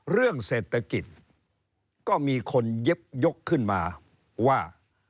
เรื่องเศรษฐกิจก็มีคนเย็บยกขึ้นมาว่า